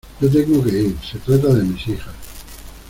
yo tengo que ir, se trata de mis hijas.